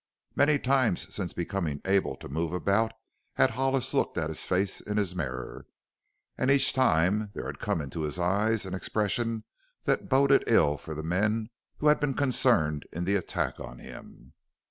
Many times since becoming able to move about had Hollis looked at his face in his mirror, and each time there had come into his eyes an expression that boded ill for the men who had been concerned in the attack on him.